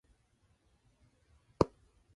Angela likes to wear bandanas while playing.